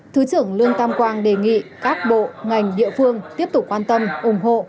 thứ trưởng lương tam quang đề nghị các bộ ngành địa phương tiếp tục quan tâm ủng hộ